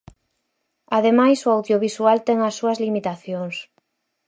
Ademais, o audiovisual ten as súas limitacións.